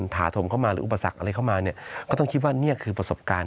ถาถมเข้ามาหรืออุปสรรคอะไรเข้ามาเนี่ยก็ต้องคิดว่านี่คือประสบการณ์